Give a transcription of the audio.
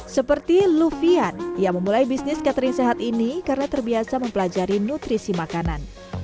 seperti lufian yang memulai bisnis catering sehat ini karena terbiasa mempelajari nutrisi makanan